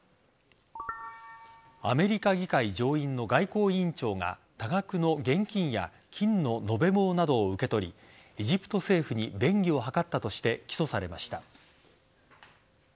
アメリカ議会上院の外交委員長が多額の現金や金の延べ棒などを受け取りエジプト政府に便宜を図ったとして起訴されました。